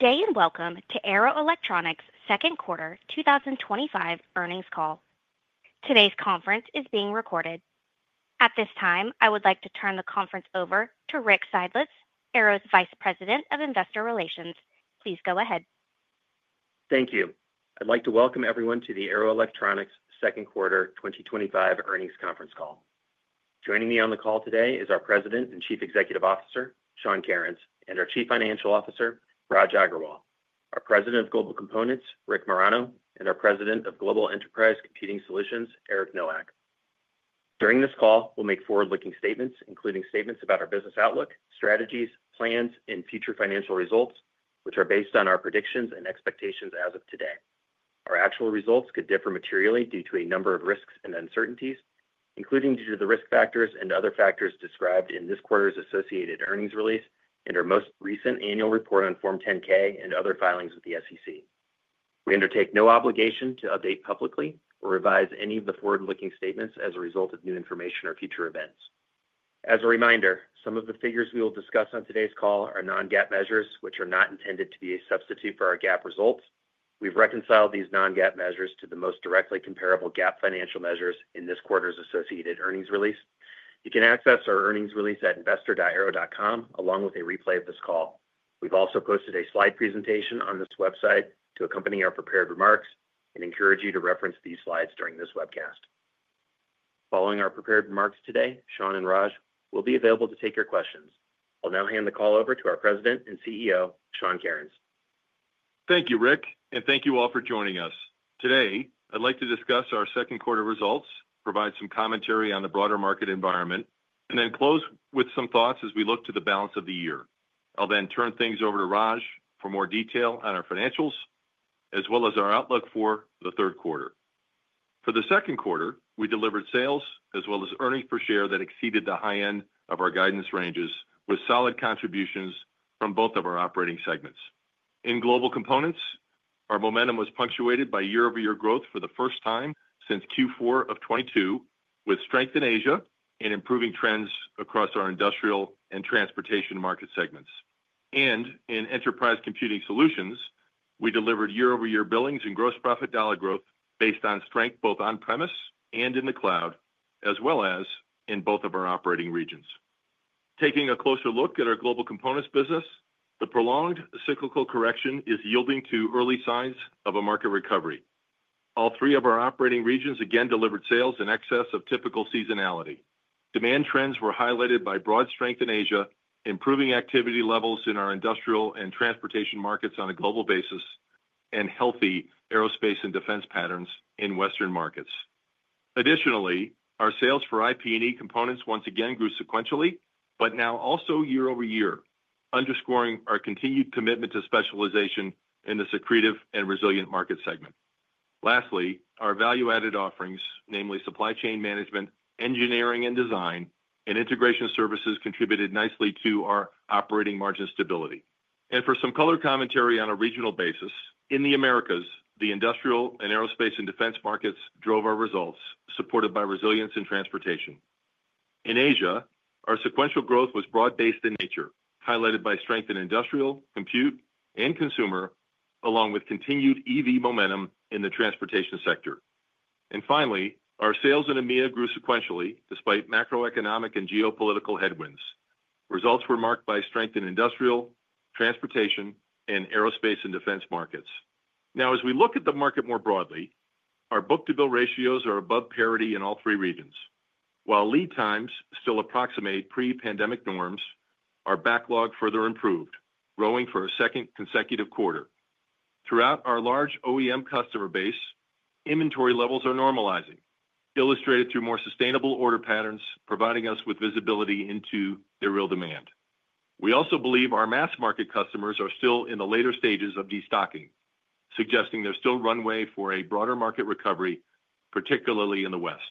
Today, and welcome to Arrow Electronics' second quarter 2025 earnings call. Today's conference is being recorded. At this time, I would like to turn the conference over to Rick Seidlitz, Arrow's Vice President of Investor Relations. Please go ahead. Thank you. I'd like to welcome everyone to the Arrow Electronics second quarter 2025 earnings conference call. Joining me on the call today is our President and Chief Executive Officer, Sean Kerins, our Chief Financial Officer, Raj Agrawal, our President of Global Components, Rick Marano, and our President of Global Enterprise Computing Solutions, Eric Nowak. During this call, we'll make forward-looking statements, including statements about our business outlook, strategies, plans, and future financial results, which are based on our predictions and expectations as of today. Our actual results could differ materially due to a number of risks and uncertainties, including due to the risk factors and other factors described in this quarter's associated earnings release and our most recent annual report on Form 10-K and other filings with the SEC. We undertake no obligation to update publicly or revise any of the forward-looking statements as a result of new information or future events. As a reminder, some of the figures we will discuss on today's call are non-GAAP measures, which are not intended to be a substitute for our GAAP results. We've reconciled these non-GAAP measures to the most directly comparable GAAP financial measures in this quarter's associated earnings release. You can access our earnings release at investor.arrow.com, along with a replay of this call. We've also posted a slide presentation on this website to accompany our prepared remarks and encourage you to reference these slides during this webcast. Following our prepared remarks today, Sean and Raj will be available to take your questions. I'll now hand the call over to our President and CEO, Sean Kerins. Thank you, Rick, and thank you all for joining us. Today, I'd like to discuss our second quarter results, provide some commentary on the broader market environment, and then close with some thoughts as we look to the balance of the year. I'll then turn things over to Raj for more detail on our financials, as well as our outlook for the third quarter. For the second quarter, we delivered sales as well as earnings per share that exceeded the high end of our guidance ranges, with solid contributions from both of our operating segments. In Global Components, our momentum was punctuated by year-over-year growth for the first time since Q4 of 2022, with strength in Asia and improving trends across our industrial and transportation market segments. In Enterprise Computing Solutions, we delivered year-over-year billings and gross profit dollar growth based on strength both on-premise and in the cloud, as well as in both of our operating regions. Taking a closer look at our Global Components business, the prolonged cyclical correction is yielding to early signs of a market recovery. All three of our operating regions again delivered sales in excess of typical seasonality. Demand trends were highlighted by broad strength in Asia, improving activity levels in our industrial and transportation markets on a global basis, and healthy aerospace and defense patterns in Western markets. Additionally, our sales for IP&E components once again grew sequentially, but now also year-over-year, underscoring our continued commitment to specialization in the secretive and resilient market segment. Lastly, our value-added offerings, namely supply chain management, engineering and design, and integration services, contributed nicely to our operating margin stability. For some color commentary on a regional basis, in the Americas, the industrial and aerospace and defense markets drove our results, supported by resilience in transportation. In Asia, our sequential growth was broad-based in nature, highlighted by strength in industrial, compute, and consumer, along with continued EV momentum in the transportation sector. Our sales in EMEA grew sequentially despite macroeconomic and geopolitical headwinds. Results were marked by strength in industrial, transportation, and aerospace and defense markets. As we look at the market more broadly, our book-to-bill ratios are above parity in all three regions. While lead times still approximate pre-pandemic norms, our backlog further improved, growing for a second consecutive quarter. Throughout our large OEM customer base, inventory levels are normalizing, illustrated through more sustainable order patterns, providing us with visibility into the real demand. We also believe our mass market customers are still in the later stages of destocking, suggesting there's still runway for a broader market recovery, particularly in the West.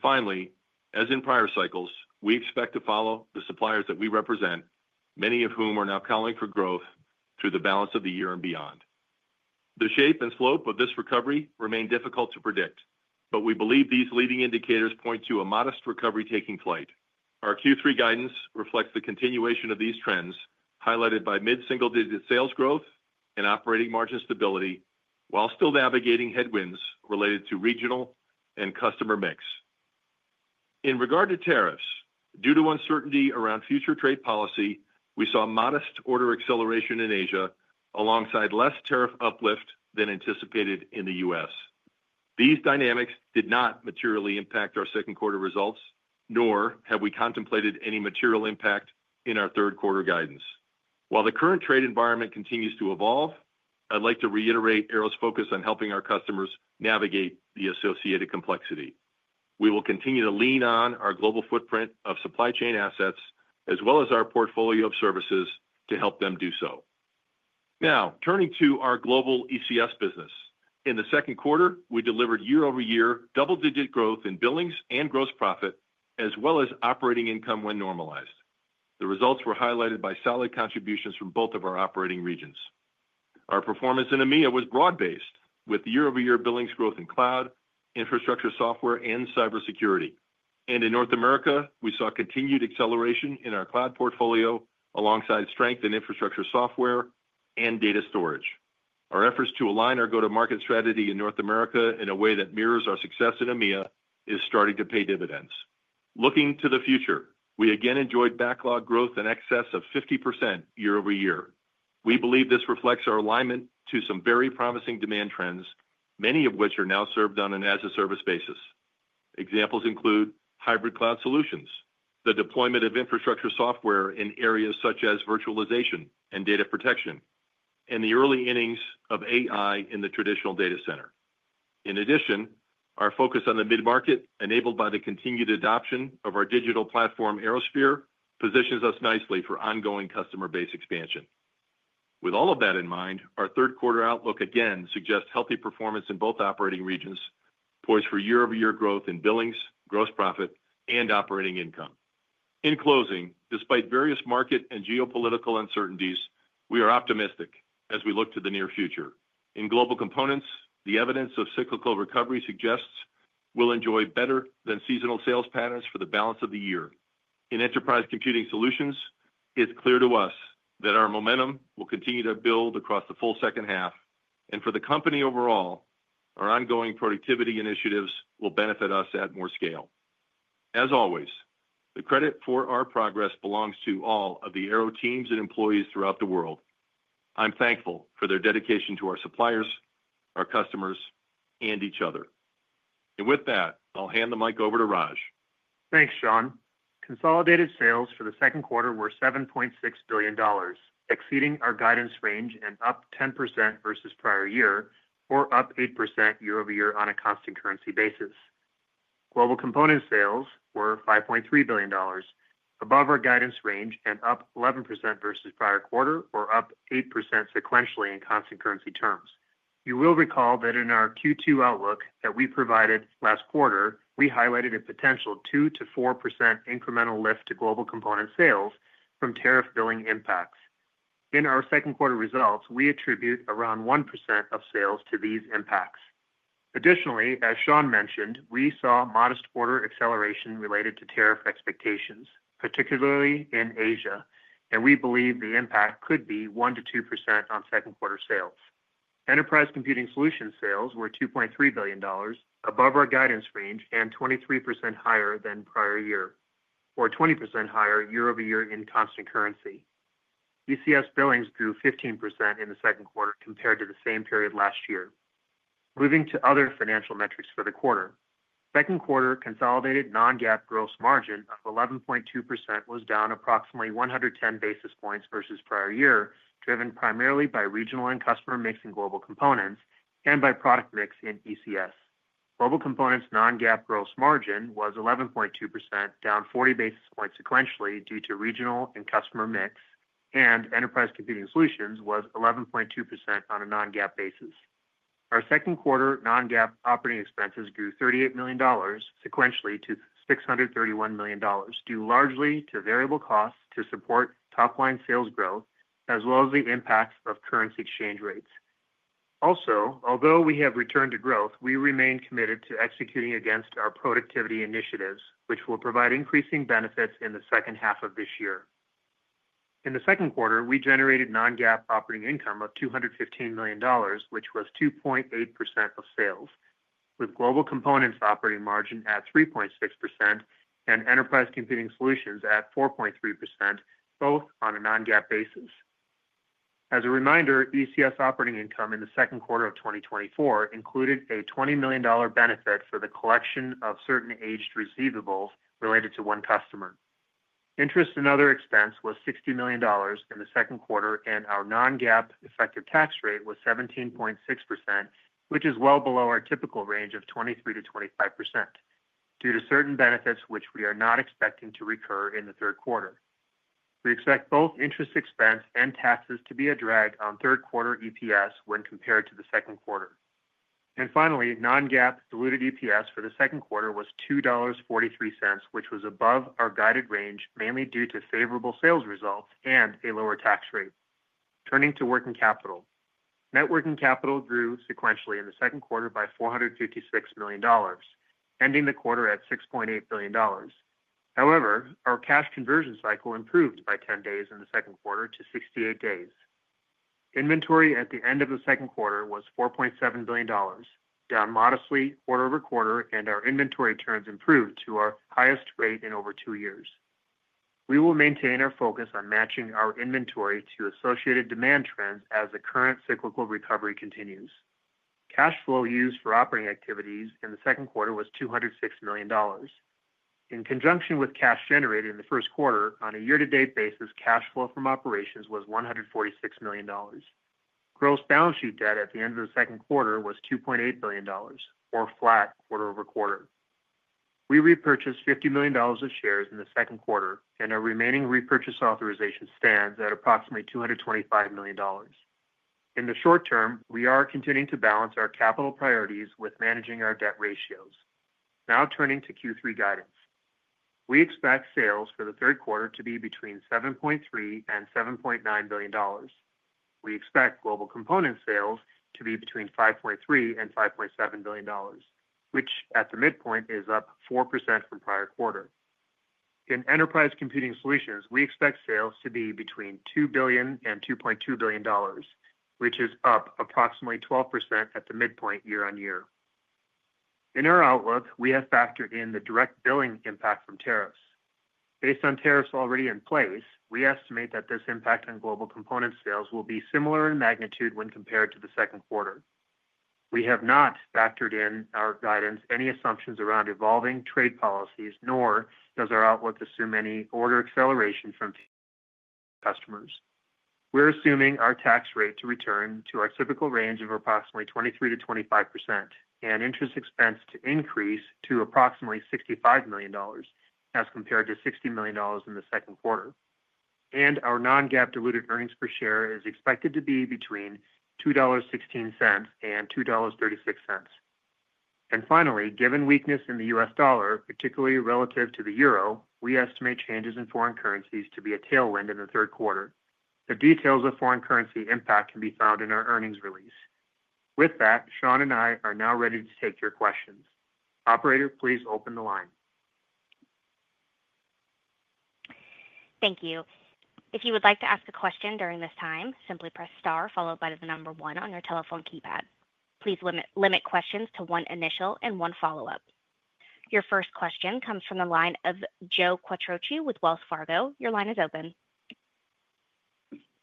Finally, as in prior cycles, we expect to follow the suppliers that we represent, many of whom are now calling for growth through the balance of the year and beyond. The shape and slope of this recovery remain difficult to predict, but we believe these leading indicators point to a modest recovery taking flight. Our Q3 guidance reflects the continuation of these trends, highlighted by mid-single-digit sales growth and operating margin stability, while still navigating headwinds related to regional and customer mix. In regard to tariffs, due to uncertainty around future trade policy, we saw modest order acceleration in Asia, alongside less tariff uplift than anticipated in the U.S. These dynamics did not materially impact our second quarter results, nor have we contemplated any material impact in our third quarter guidance. While the current trade environment continues to evolve, I'd like to reiterate Arrow's focus on helping our customers navigate the associated complexity. We will continue to lean on our global footprint of supply chain assets, as well as our portfolio of services, to help them do so. Now, turning to our global ECS business. In the second quarter, we delivered year-over-year double-digit growth in billings and gross profit, as well as operating income when normalized. The results were highlighted by solid contributions from both of our operating regions. Our performance in EMEA was broad-based, with year-over-year billings growth in cloud, infrastructure software, and cybersecurity. In North America, we saw continued acceleration in our cloud portfolio, alongside strength in infrastructure software and data storage. Our efforts to align our go-to-market strategy in North America in a way that mirrors our success in EMEA is starting to pay dividends. Looking to the future, we again enjoyed backlog growth in excess of 50% year-over-year. We believe this reflects our alignment to some very promising demand trends, many of which are now served on an as-a-service basis. Examples include hybrid cloud solutions, the deployment of infrastructure software in areas such as virtualization and data protection, and the early innings of AI in the traditional data center. In addition, our focus on the mid-market, enabled by the continued adoption of our digital platform, ArrowSphere, positions us nicely for ongoing customer base expansion. With all of that in mind, our third quarter outlook again suggests healthy performance in both operating regions, poised for year-over-year growth in billings, gross profit, and operating income. In closing, despite various market and geopolitical uncertainties, we are optimistic as we look to the near future. In global components, the evidence of cyclical recovery suggests we'll enjoy better than seasonal sales patterns for the balance of the year. In enterprise computing solutions, it's clear to us that our momentum will continue to build across the full second half, and for the company overall, our ongoing productivity initiatives will benefit us at more scale. As always, the credit for our progress belongs to all of the Arrow teams and employees throughout the world. I'm thankful for their dedication to our suppliers, our customers, and each other. With that, I'll hand the mic over to Raj. Thanks, Sean. Consolidated sales for the second quarter were $7.6 billion, exceeding our guidance range and up 10% versus prior year, or up 8% year-over-year on a constant currency basis. Global Component sales were $5.3 billion, above our guidance range and up 11% versus prior quarter, or up 8% sequentially in constant currency terms. You will recall that in our Q2 outlook that we provided last quarter, we highlighted a potential 2%-4% incremental lift to global component sales from tariff billing impacts. In our second quarter results, we attribute around 1% of sales to these impacts. Additionally, as Sean mentioned, we saw modest order acceleration related to tariff expectations, particularly in Asia, and we believe the impact could be 1%-2% on second quarter sales. Enterprise Computing Solutions sales were $2.3 billion, above our guidance range and 23% higher than prior year, or 20% higher year-over-year in constant currency. ECS billings grew 15% in the second quarter compared to the same period last year. Moving to other financial metrics for the quarter, second quarter consolidated non-GAAP gross margin of 11.2% was down approximately 110 basis points versus prior year, driven primarily by regional and customer mix in Global Components and by product mix in ECS. Global Components non-GAAP gross margin was 11.2%, down 40 basis points sequentially due to regional and customer mix, and Enterprise Computing Solutions was 11.2% on a non-GAAP basis. Our second quarter non-GAAP operating expenses grew $38 million sequentially to $631 million, due largely to variable costs to support top-line sales growth, as well as the impacts of currency exchange rates. Also, although we have returned to growth, we remain committed to executing against our productivity initiatives, which will provide increasing benefits in the second half of this year. In the second quarter, we generated non-GAAP operating income of $215 million, which was 2.8% of sales, with Global Components operating margin at 3.6% and Enterprise Computing Solutions at 4.3%, both on a non-GAAP basis. As a reminder, ECS operating income in the second quarter of 2024 included a $20 million benefit for the collection of certain aged receivables related to one customer. Interest and other expense was $60 million in the second quarter, and our non-GAAP effective tax rate was 17.6%, which is well below our typical range of 23%-25%, due to certain benefits which we are not expecting to recur in the third quarter. We expect both interest expense and taxes to be a drag on third quarter EPS when compared to the second quarter. Finally, non-GAAP diluted EPS for the second quarter was $2.43, which was above our guided range, mainly due to favorable sales results and a lower tax rate. Turning to working capital, net working capital grew sequentially in the second quarter by $456 million, ending the quarter at $6.8 billion. However, our cash conversion cycle improved by 10 days in the second quarter to 68 days. Inventory at the end of the second quarter was $4.7 billion, down modestly quarter-over-quarter, and our inventory trends improved to our highest rate in over two years. We will maintain our focus on matching our inventory to associated demand trends as the current cyclical recovery continues. Cash flow used for operating activities in the second quarter was $206 million. In conjunction with cash generated in the first quarter, on a year-to-date basis, cash flow from operations was $146 million. Gross balance sheet debt at the end of the second quarter was $2.8 billion, or flat quarter-over-quarter. We repurchased $50 million of shares in the second quarter, and our remaining repurchase authorization stands at approximately $225 million. In the short term, we are continuing to balance our capital priorities with managing our debt ratios. Now turning to Q3 guidance, we expect sales for the third quarter to be between $7.3 billion and $7.9 billion. We expect global component sales to be between $5.3 billion and $5.7 billion, which at the midpoint is up 4% from prior quarter. In Enterprise Computing Solutions, we expect sales to be between $2 billion and $2.2 billion, which is up approximately 12% at the midpoint year on year. In our outlook, we have factored in the direct billing impact from tariffs. Based on tariffs already in place, we estimate that this impact on global component sales will be similar in magnitude when compared to the second quarter. We have not factored in our guidance any assumptions around evolving trade policies, nor does our outlook assume any order acceleration from customers. We're assuming our tax rate to return to our typical range of approximately 23%-25%, interest expense to increase to approximately $65 million, as compared to $60 million in the second quarter. Our non-GAAP diluted earnings per share is expected to be between $2.16 and $2.36. Finally, given weakness in the U.S. dollar, particularly relative to the euro, we estimate changes in foreign currencies to be a tailwind in the third quarter. The details of foreign currency impact can be found in our earnings release. With that, Sean and I are now ready to take your questions. Operator, please open the line. Thank you. If you would like to ask a question during this time, simply press star followed by the number one on your telephone keypad. Please limit questions to one initial and one follow-up. Your first question comes from the line of Joe Quatrochi with Wells Fargo. Your line is open.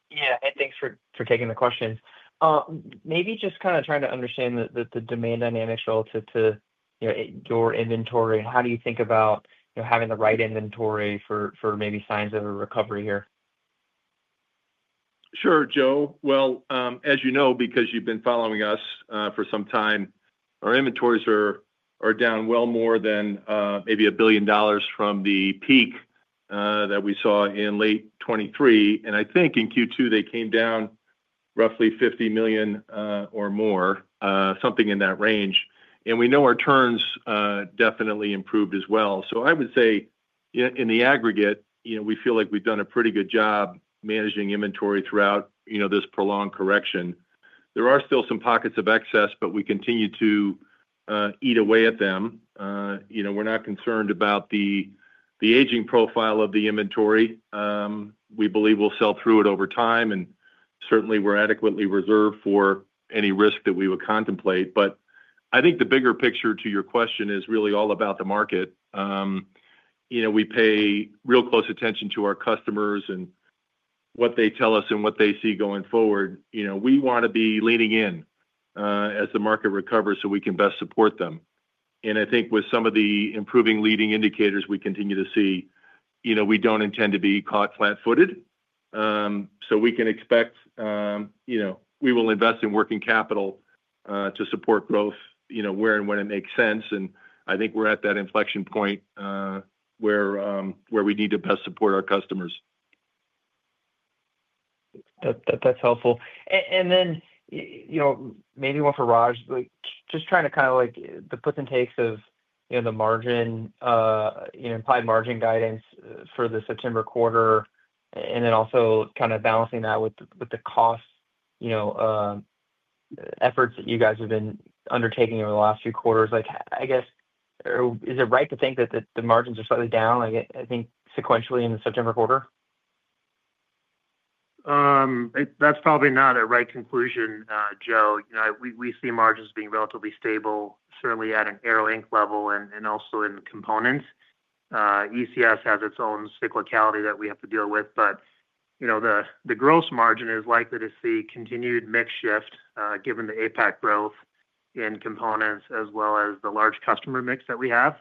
Yeah, hey, thanks for taking the questions. Maybe just kind of trying to understand the demand dynamics relative to your inventory. How do you think about having the right inventory for maybe signs of a recovery here? Sure, Joe. As you know, because you've been following us for some time, our inventories are down well more than maybe $1 billion from the peak that we saw in late 2023. I think in Q2, they came down roughly $50 million or more, something in that range. We know our turns definitely improved as well. I would say, in the aggregate, we feel like we've done a pretty good job managing inventory throughout this prolonged correction. There are still some pockets of excess, but we continue to eat away at them. We're not concerned about the aging profile of the inventory. We believe we'll sell through it over time, and certainly we're adequately reserved for any risk that we would contemplate. I think the bigger picture to your question is really all about the market. We pay real close attention to our customers and what they tell us and what they see going forward. We want to be leaning in as the market recovers so we can best support them. I think with some of the improving leading indicators we continue to see, we don't intend to be caught flat-footed. We can expect we will invest in working capital to support growth, where and when it makes sense. I think we're at that inflection point where we need to best support our customers. That's helpful. Maybe one for Raj, just trying to kind of like the puts and takes of the margin, implied margin guidance for the September quarter, and also kind of balancing that with the cost efforts that you guys have been undertaking over the last few quarters. I guess, or is it right to think that the margins are slightly down, I think, sequentially in the September quarter? That's probably not a right conclusion, Joe. You know, we see margins being relatively stable, certainly at an Arrow Electronics level and also in components. ECS has its own cyclicality that we have to deal with. The gross margin is likely to see continued mix shift, given the APAC growth in components, as well as the large customer mix that we have.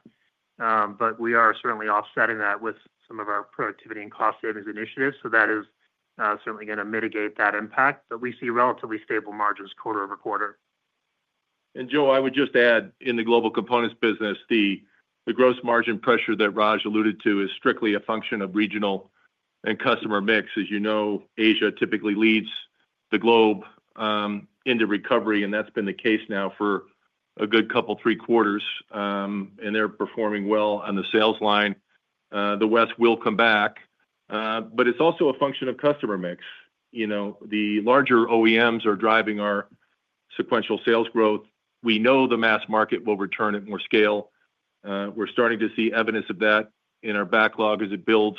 We are certainly offsetting that with some of our productivity and cost savings initiatives. That is certainly going to mitigate that impact. We see relatively stable margins quarter-over-quarter. Joe, I would just add, in the Global Components business, the gross margin pressure that Raj alluded to is strictly a function of regional and customer mix. As you know, Asia typically leads the globe into recovery, and that's been the case now for a good couple, three quarters. They're performing well on the sales line. The West will come back. It's also a function of customer mix. The larger OEMs are driving our sequential sales growth. We know the mass market will return at more scale. We're starting to see evidence of that in our backlog as it builds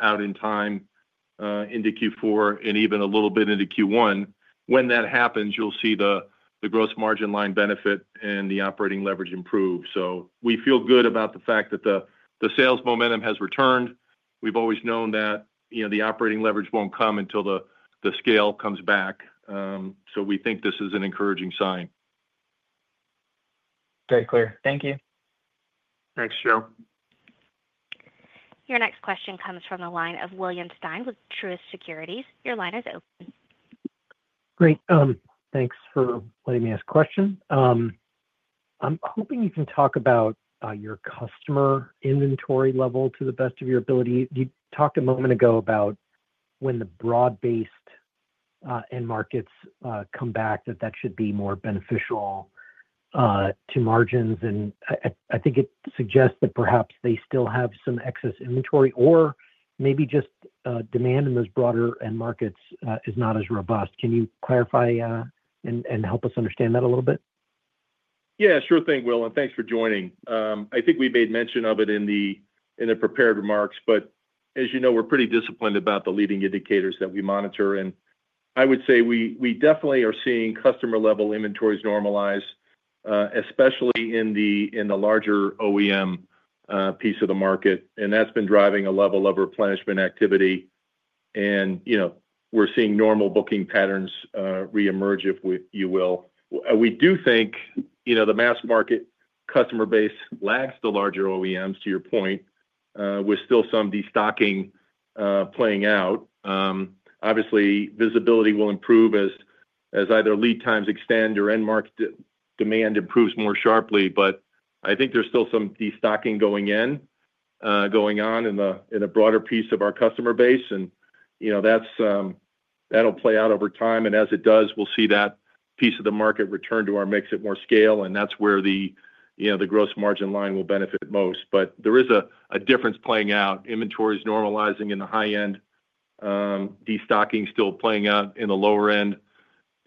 out in time into Q4 and even a little bit into Q1. When that happens, you'll see the gross margin line benefit and the operating leverage improve. We feel good about the fact that the sales momentum has returned. We've always known that the operating leverage won't come until the scale comes back. We think this is an encouraging sign. Very clear. Thank you. Thanks, Joe. Your next question comes from the line of William Stein with Truist Securities. Your line is open. Great. Thanks for letting me ask a question. I'm hoping you can talk about your customer inventory level to the best of your ability. You talked a moment ago about when the broad-based end markets come back, that should be more beneficial to margins. I think it suggests that perhaps they still have some excess inventory or maybe just demand in those broader end markets is not as robust. Can you clarify and help us understand that a little bit? Yeah, sure thing, Will. Thanks for joining. I think we made mention of it in the prepared remarks. As you know, we're pretty disciplined about the leading indicators that we monitor. I would say we definitely are seeing customer-level inventories normalize, especially in the larger OEM piece of the market. That's been driving a level of replenishment activity. We're seeing normal booking patterns reemerge, if you will. We do think the mass market customer base lags the larger OEMs, to your point, with still some destocking playing out. Obviously, visibility will improve as either lead times extend or end market demand improves more sharply. I think there's still some destocking going on in the broader piece of our customer base. That'll play out over time. As it does, we'll see that piece of the market return to our mix at more scale. That's where the gross margin line will benefit most. There is a difference playing out. Inventory is normalizing in the high end. Destocking is still playing out in the lower end.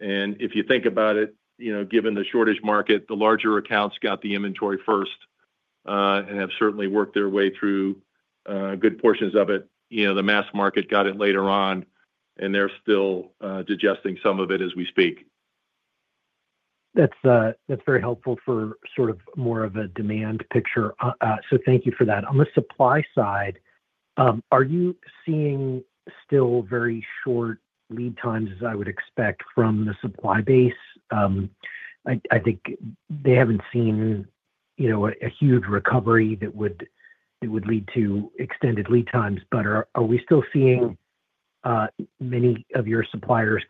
If you think about it, given the shortage market, the larger accounts got the inventory first and have certainly worked their way through good portions of it. The mass market got it later on, and they're still digesting some of it as we speak. That's very helpful for sort of more of a demand picture. Thank you for that. On the supply side, are you seeing still very short lead times, as I would expect, from the supply base? I think they haven't seen a huge recovery that would lead to extended lead times. Are we still seeing many of your suppliers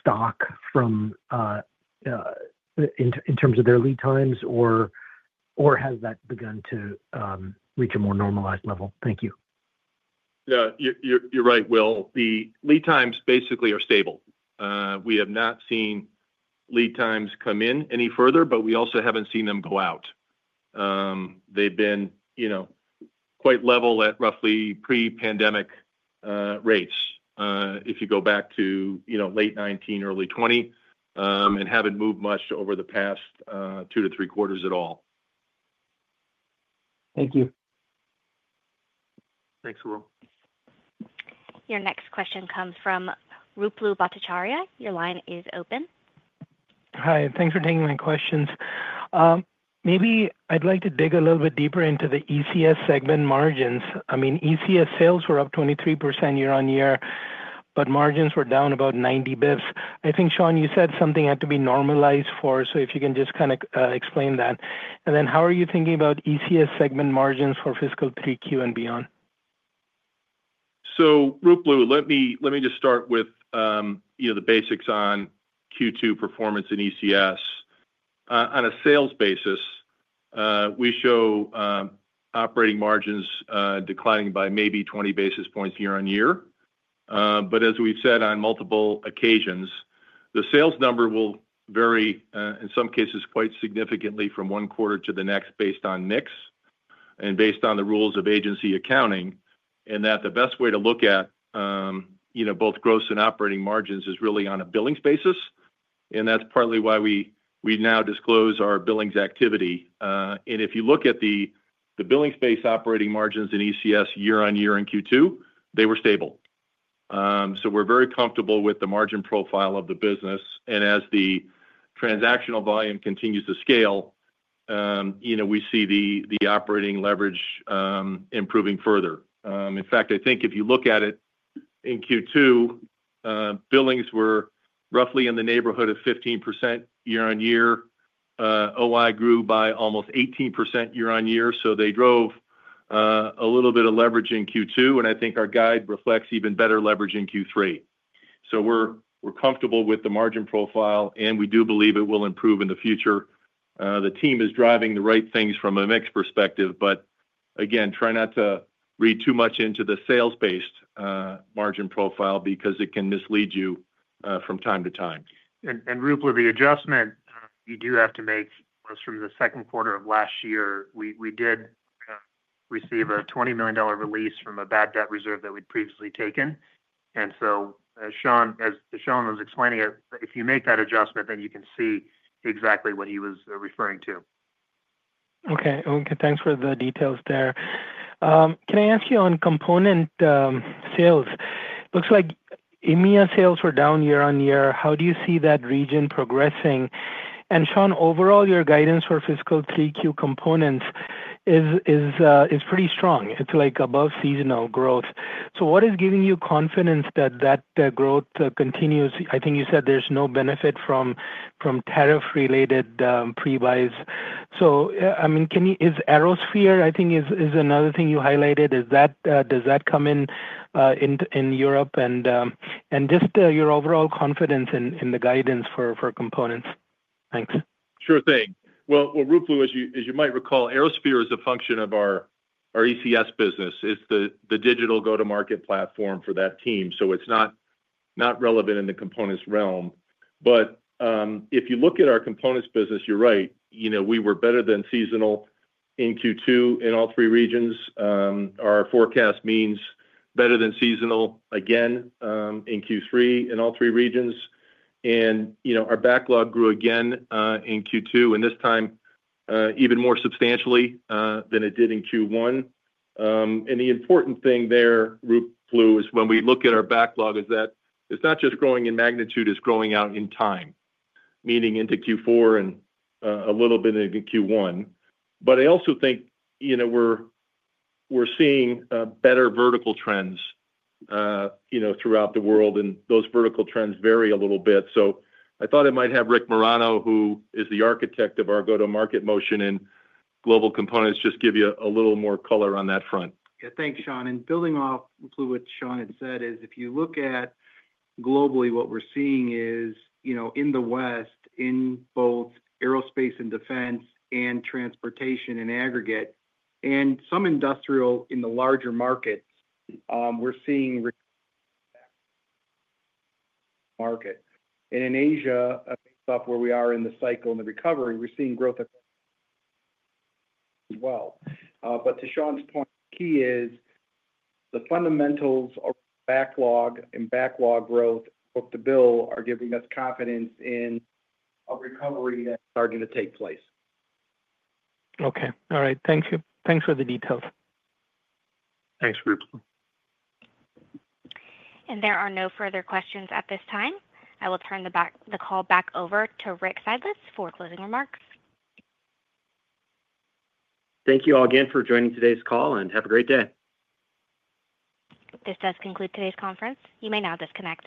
"stock" in terms of their lead times, or has that begun to reach a more normalized level? Thank you. Yeah, you're right, Will. The lead times basically are stable. We have not seen lead times come in any further, but we also haven't seen them go out. They've been quite level at roughly pre-pandemic rates, if you go back to late 2019, early 2020, and haven't moved much over the past two to three quarters at all. Thank you. Thanks, Will. Your next question comes from Ruplu Bhattacharya. Your line is open. Hi, and thanks for taking my questions. Maybe I'd like to dig a little bit deeper into the ECS segment margins. I mean, ECS sales were up 23% year on year, but margins were down about 90 basis points. I think, Sean, you said something had to be normalized for, so if you can just kind of explain that. How are you thinking about ECS segment margins for fiscal 3Q and beyond? Ruplu, let me just start with the basics on Q2 performance in ECS. On a sales basis, we show operating margins declining by maybe 20 basis points year on year. As we've said on multiple occasions, the sales number will vary, in some cases, quite significantly from one quarter to the next based on mix and based on the rules of agency accounting, and the best way to look at both gross and operating margins is really on a billings basis. That's partly why we now disclose our billings activity. If you look at the billings-based operating margins in ECS year on year in Q2, they were stable. We're very comfortable with the margin profile of the business. As the transactional volume continues to scale, we see the operating leverage improving further. In fact, I think if you look at it in Q2, billings were roughly in the neighborhood of 15% year on year. OI grew by almost 18% year on year. They drove a little bit of leverage in Q2. I think our guide reflects even better leverage in Q3. We're comfortable with the margin profile, and we do believe it will improve in the future. The team is driving the right things from a mix perspective. Again, try not to read too much into the sales-based margin profile because it can mislead you from time to time. Ruplu, the adjustment you do have to make was from the second quarter of last year. We did receive a $20 million release from a bad debt reserve that we'd previously taken. As Sean was explaining it, if you make that adjustment, then you can see exactly what he was referring to. Okay. Thanks for the details there. Can I ask you on component sales? Looks like EMEA sales were down year on year. How do you see that region progressing? Sean, overall, your guidance for fiscal 3Q components is pretty strong. It's like above seasonal growth. What is giving you confidence that that growth continues? I think you said there's no benefit from tariff-related pre-buys. Can you, is ArrowSphere, I think is another thing you highlighted. Does that come in in Europe? Just your overall confidence in the guidance for components. Thanks. Sure thing. Ruplu, as you might recall, ArrowSphere is a function of our ECS business. It's the digital go-to-market platform for that team. It's not relevant in the components realm. If you look at our components business, you're right. You know, we were better than seasonal in Q2 in all three regions. Our forecast means better than seasonal again in Q3 in all three regions. You know, our backlog grew again in Q2, and this time even more substantially than it did in Q1. The important thing there, Ruplu, is when we look at our backlog is that it's not just growing in magnitude, it's growing out in time, meaning into Q4 and a little bit into Q1. I also think, you know, we're seeing better vertical trends throughout the world. Those vertical trends vary a little bit. I thought I might have Rick Marano, who is the architect of our go-to-market motion in Global Components, just give you a little more color on that front. Yeah, thanks, Sean. Building off, Ruplu, what Sean had said is if you look at globally, what we're seeing is, you know, in the West, in both aerospace and defense and transportation in aggregate and some industrial in the larger markets, we're seeing market. In Asia, based off where we are in the cycle and the recovery, we're seeing growth as well. To Sean's point, the key is the fundamentals of backlog and backlog growth, book-to-bill, are giving us confidence in a recovery that's starting to take place. Okay. All right. Thank you. Thanks for the details. Thanks, Ruplu. There are no further questions at this time. I will turn the call back over to Rick Seidlitz for closing remarks. Thank you all again for joining today's call, and have a great day. This does conclude today's conference. You may now disconnect.